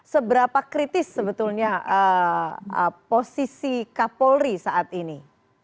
seberapa kritis sebetulnya posisi kapolri saat ini